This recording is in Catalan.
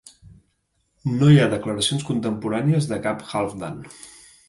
No hi ha declaracions contemporànies de cap Halfdan.